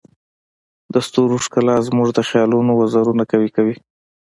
د ستورو ښکلا زموږ د خیالونو وزرونه قوي کوي.